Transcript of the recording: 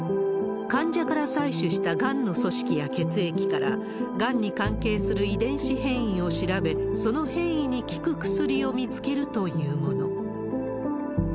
患者から採取したがんの組織や血液から、がんに関係する遺伝子変異を調べ、その変異に効く薬を見つけるというもの。